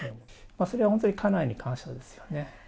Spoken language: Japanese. それは本当に家内に感謝ですよね。